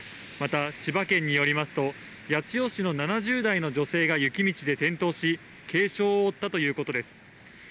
また千葉県によりますと、八千代市の７０代の女性が雪道で転倒し、軽傷を負ったということです。